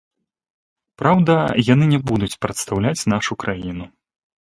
Праўда, яны не будуць прадстаўляць нашу краіну.